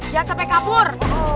jangan sampai kabur